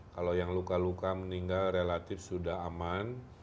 kalau yang luka luka meninggal relatif sudah aman